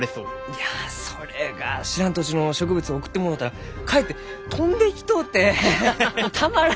いやそれが知らん土地の植物を送ってもろうたらかえって飛んでいきとうてたまらんくて！